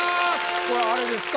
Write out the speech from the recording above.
これあれですか？